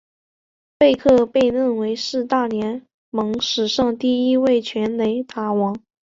贝克被认为是大联盟史上第一位全垒打王。